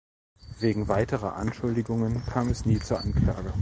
Wegen weiterer Anschuldigungen kam es nie zur Anklage.